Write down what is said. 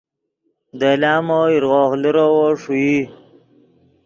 دے لامو ایرغوغ لیروّو ݰوئی